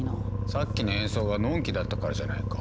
さっきの演奏がのんきだったからじゃないか？